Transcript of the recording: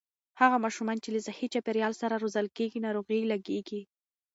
هغه ماشومان چې له صحي چاپېريال سره روزل کېږي، ناروغۍ لږېږي.